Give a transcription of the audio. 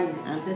năm nào cũng vậy